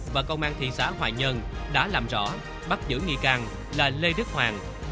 và công an thị xã hoài nhơn đã làm rõ bắt giữ nghi can là lê đức hoàng